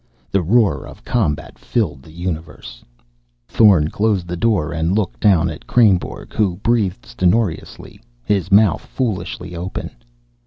The roar of combat filled the universe. Thorn closed the door and looked down at Kreynborg, who breathed stentorously, his mouth foolishly open.